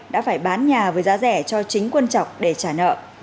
đã phải bán nhà với giá rẻ cho chính quân chọc để trả nợ